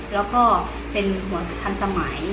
แล้วก็เป็นเหมือนทันสมัย